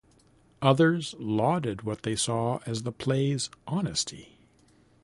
Others lauded what they saw as the plays' honesty.